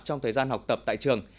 trong thời gian học tập tại trường